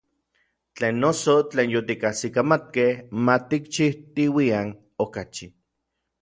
Tlen noso, tlen yotikajsikamatkej, ma tikchijtiuian okachi.